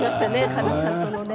神木さんとのね。